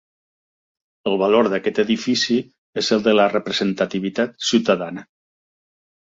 El valor d'aquest edifici és el de la representativitat ciutadana.